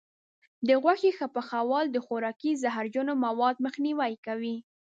د غوښې ښه پخول د خوراکي زهرجنو موادو مخنیوی کوي.